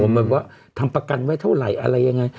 แบบว่าทำประกันไว้เท่าไหร่อะไรยังไง